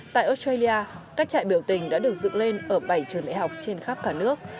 tại australia các trại biểu tình đã được dựng lên ở bảy trường đại học trên khắp cả nước